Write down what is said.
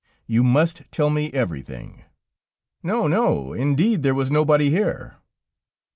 You must tell me everything." "No, no; indeed there was nobody here."